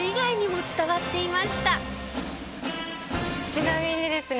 ちなみにですね